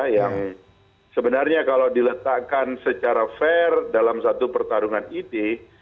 yang sebenarnya kalau diletakkan secara fair dalam satu pertarungan ide